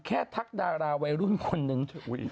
แค่ทักดาราวัยรุ่นคนนึง